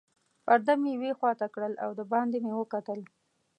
پرده مې یوې خواته کړل او دباندې مې وکتل.